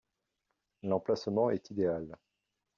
L’emplacement est idéal.